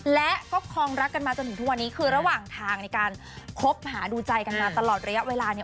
และก็คลองรักกันมาจนถึงทุกวันนี้คือระหว่างทางในการคบหาดูใจกันมาตลอดระยะเวลาเนี่ย